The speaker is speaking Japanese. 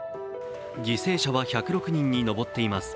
犠牲者は１０６人に上っています。